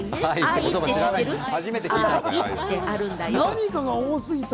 何かが多すぎた。